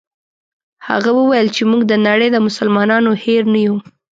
هغه وویل چې موږ د نړۍ د مسلمانانو هېر نه یو.